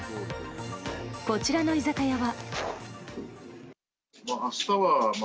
こちらの居酒屋は。